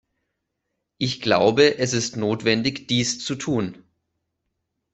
Ich glaube, es ist notwendig, dies zu tun.